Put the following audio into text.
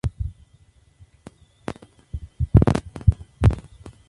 Margen recurvado, entero, ondulado cuando seco.